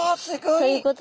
そういうこと？